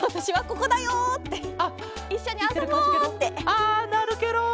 あなるケロ。